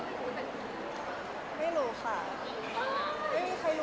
มันก็แบบแต่ว่าไม่ทันเหรอคะพูดอีกเลย